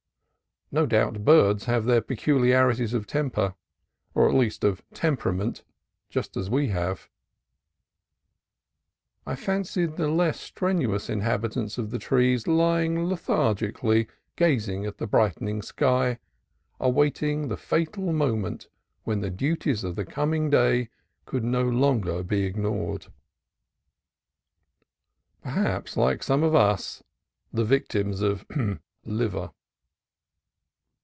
No doubt birds have their peculiarities of temper, or at least of tem perament, just as we have. I fancied the less stren uous inhabitants of the trees lying lethargically gazing at the brightening sky, awaiting the fatal moment when the duties of the coming day could no longer be ignored: perhaps, like some of us, the victims of "liver."